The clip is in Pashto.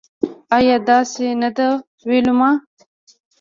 ایا داسې نده ویلما